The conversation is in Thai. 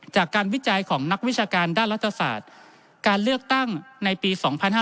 จากการวิจัยของนักวิชาการด้านรัฐศาสตร์การเลือกตั้งในปี๒๕๕๙